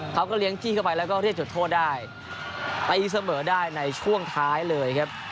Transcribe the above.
เขาก็เลี้ยงจี้เข้าไปแล้วก็เรียกจุดโทษได้ตีเสมอได้ในช่วงท้ายเลยครับ